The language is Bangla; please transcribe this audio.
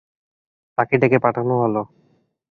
তাকে ডেকে পাঠানো হল।